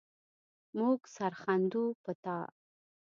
مونږ سر ښندو په تا